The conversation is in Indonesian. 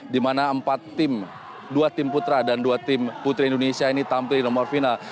dimana empat tim dua tim putra dan dua tim putri indonesia ini tampilin nomor final